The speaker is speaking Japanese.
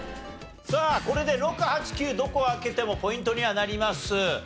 これで６８９どこを開けてもポイントにはなります。